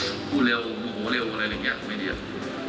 อู๋เลวโหวเลวอะไรเหลือเนี่ยไม่ดีเอ่ย